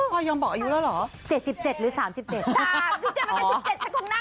พ่อยอมบอกอายุแล้วเหรอเจ็ดสิบเจ็ดหรือสามสิบเจ็ดสามสิบเจ็ดมันจะสิบเจ็ด